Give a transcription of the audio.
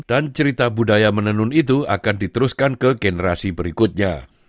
dan cerita budaya menenun itu akan diteruskan ke generasi berikutnya